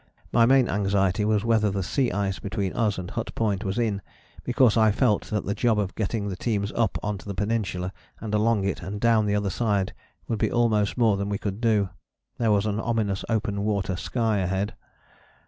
My main anxiety was whether the sea ice between us and Hut Point was in, because I felt that the job of getting the teams up on to the Peninsula and along it and down the other side would be almost more than we could do: there was an ominous open water sky ahead.